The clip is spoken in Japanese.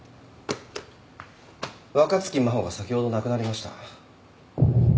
若槻真帆が先ほど亡くなりました。